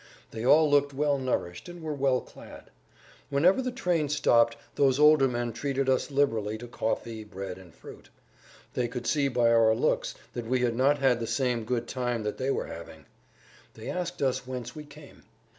They all looked well [Pg 141]nourished and were well clad. Whenever the train stopped those older men treated us liberally to coffee, bread, and fruit. They could see by our looks that we had not had the same good time that they were having. They asked us whence we came.